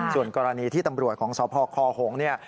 ส่วนกรณีที่ตำรวจของสพคหงษ์เนี่ย